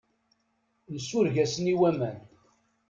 Nsureg-asen i waman.